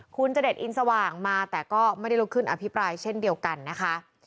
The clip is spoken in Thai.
คุณจเดชอินสว่างมาแต่ก็ไม่ได้ลุกขึ้นอภิปรายเช่นเดียวกันนะคะ